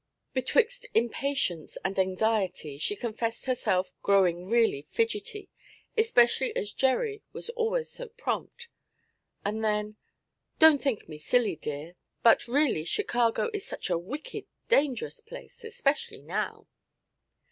Betwixt impatience and anxiety she confessed herself 'growing really fidgety,' especially as 'Gerry' was always so prompt, 'and then don't think me silly, dear but, really, Chicago is such a wicked, dangerous place, especially now.'